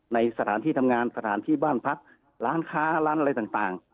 ในสถานที่ทำงานสถานที่บ้านพักร้านค้าร้านอะไรต่าง